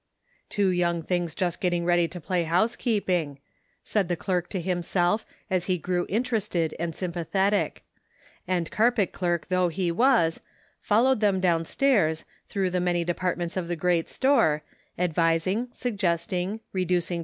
" Two young things just getting read}'' to play housekeeping," said the clerk to himself and he grew interested and sympathetic ; and carpet clerk though he was, followed them down stairs, through the many departments of the great store, advising, suggesting, reducing The Sum Total.